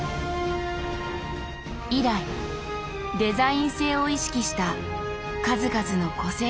以来デザイン性を意識した数々の個性的な電車を開発。